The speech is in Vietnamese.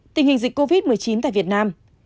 tình hình dịch covid một mươi chín tại việt nam